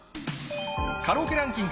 カラオケランキング